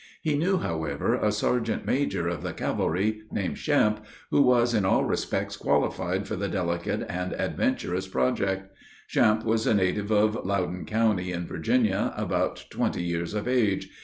He knew, however, a sergeant major of the cavalry, named Champe, who was in all respects qualified for the delicate and adventurous project. Champe was a native of Loudon county, in Virginia, about twenty years of age.